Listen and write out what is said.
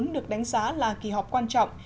được đánh giá là kỳ họp quan trọng